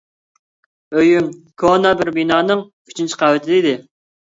ئۆيۈم كونا بىر بىنانىڭ ئۈچىنچى قەۋىتىدە ئىدى.